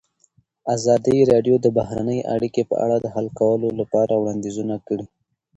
ازادي راډیو د بهرنۍ اړیکې په اړه د حل کولو لپاره وړاندیزونه کړي.